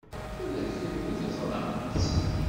Ula d kenwi teẓram-tt.